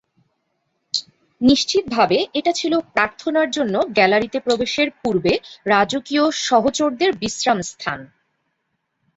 নিশ্চিতভাবে এটা ছিল প্রার্থনার জন্য গ্যালারিতে প্রবেশের পূর্বে রাজকীয় সহচরদের বিশ্রামস্থান।